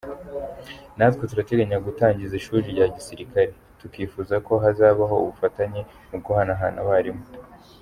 Natwe turateganya gutangiza ishuri rya gisirikari, tukifuza ko hazabaho ubufatanye mu guhanahana abarimu”.